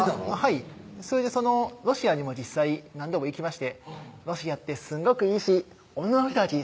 はいそれでロシアにも実際何度も行きましてロシアってすんごくいいし女の人たち